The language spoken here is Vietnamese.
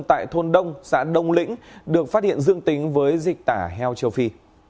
tại thôn đông xã đông lĩnh được phát hiện dương tính với dịch tả heo châu phi